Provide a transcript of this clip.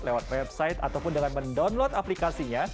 lewat website ataupun dengan mendownload aplikasinya